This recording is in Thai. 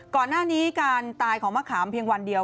ก่อนหน้านี้การตายของมะขามเพียงวันเดียว